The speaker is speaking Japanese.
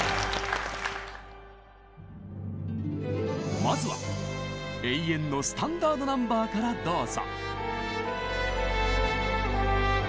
まずは永遠のスタンダード・ナンバーからどうぞ！